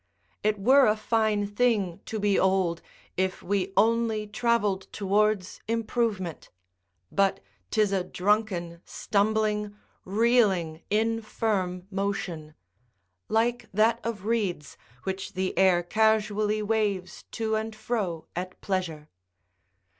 It were a fine thing to be old, if we only travelled towards improvement; but 'tis a drunken, stumbling, reeling, infirm motion: like that of reeds, which the air casually waves to and fro at pleasure.